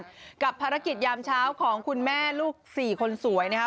กับภารกิจยามเช้าของคุณแม่ลูกสี่คนสวยนะครับ